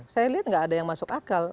saya lihat nggak ada yang masuk akal